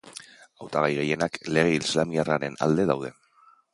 Hautagai gehienak lege islamiarraren alde daude.